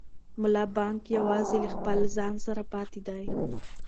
ملا بانګ یوازې له خپل ځان سره پاتې دی.